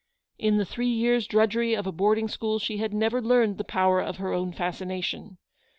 In the three years' drudgery of a boarding school she had never learned the power of her own fascination.